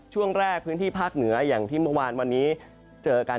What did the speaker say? ช่วงแรกพื้นที่ภาคเหนืออย่างที่เมื่อวานวันนี้เจอกัน